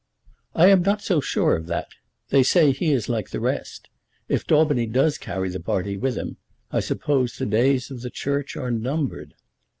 "I am not so sure of that. They say he is like the rest. If Daubeny does carry the party with him, I suppose the days of the Church are numbered."